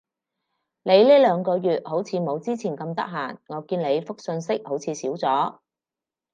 你呢兩個月好似冇之前咁得閒？我見你覆訊息好似少咗